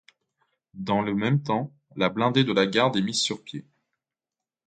Dans le même temps, la blindée de la Garde est mise sur pied.